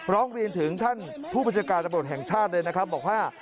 ร้องเรียนถึงท่านผู้บัญชาการตำรวจแห่งชาติเลยนะครับบอกว่า